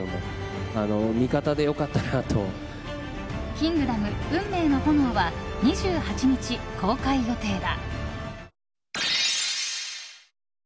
「キングダム運命の炎」は２８日、公開予定だ。